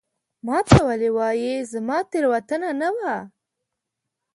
ما ته ولي وایې ؟ زما تېروتنه نه وه